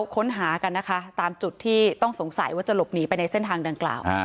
ค้นหากันนะคะตามจุดที่ต้องสงสัยว่าจะหลบหนีไปในเส้นทางดังกล่าว